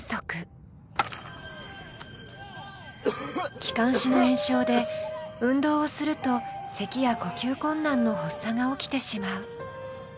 気管支の炎症で運動をするとせきや呼吸困難の発作が起きてしまう。